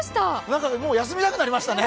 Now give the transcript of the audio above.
もう休みたくなりましたね。